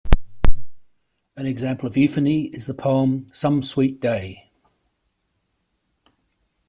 An example of euphony is the poem "Some Sweet Day".